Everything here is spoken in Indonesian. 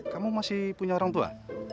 kamu masih punya orang tua